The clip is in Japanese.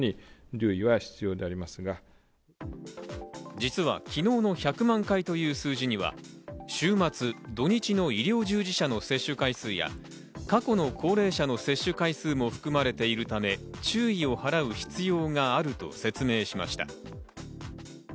実は昨日の１００万回という数字には週末・土日の医療従事者の接種回数や、過去の高齢者の接種回数も含まれているため、注意を払う必要があると説明しました。